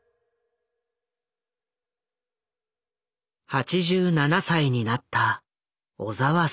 ８７歳になった小澤征爾。